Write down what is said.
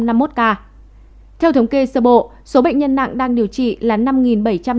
theo thống kê sơ bộ số bệnh nhân nặng đang điều trị là năm bảy trăm năm mươi ca